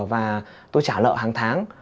và tôi trả lợi hàng tháng